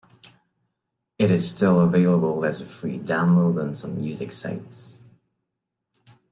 It is still available as a free download on some music sites.